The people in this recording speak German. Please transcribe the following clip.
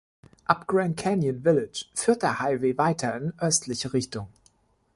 Ab Grand Canyon Village führt der Highway weiter in östliche Richtung.